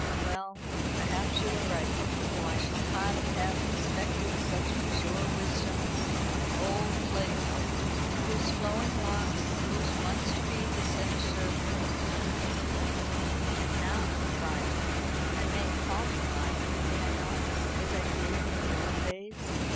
"Well, perhaps you are right; though I should hardly have expected such mature wisdom from my old playfellow, whose flowing locks used once to be the cynosure of the hunting field. And now, Violet I may call you Violet, may I not, as I did in the old days?